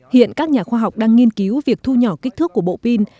hiện các nhà khoa học đang nghiên cứu việc thu nhỏ kích thước của bộ pin